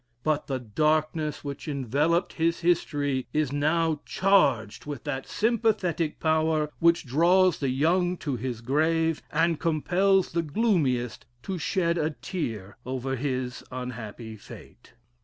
But the darkness which enveloped his history is now charged with that sympathetic power which draws the young to his grave, and compels the gloomiest to shed a tear over his unhappy fate.